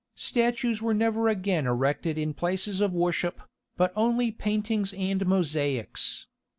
Statues were never again erected in places of worship, but only paintings and mosaics.